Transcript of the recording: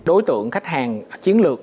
đối tượng khách hàng chiến lược